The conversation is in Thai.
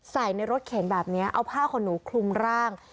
ใส่ในรถเข็นแบบนี้เอาผ้าขนหนูคลุมร่าง